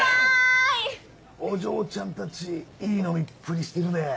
お嬢ちゃんたちいい飲みっぷりしてるね！